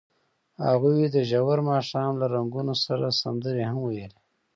هغوی د ژور ماښام له رنګونو سره سندرې هم ویلې.